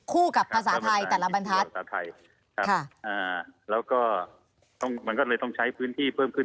กับภาษาไทยแต่ละบรรทัศน์ไทยครับแล้วก็ต้องมันก็เลยต้องใช้พื้นที่เพิ่มขึ้น